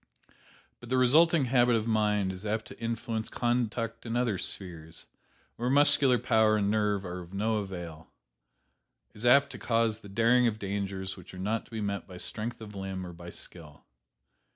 But the resulting habit of mind is apt to influence conduct in other spheres, where muscular power and nerve are of no avail is apt to cause the daring of dangers which are not to be met by strength of limb or by skill.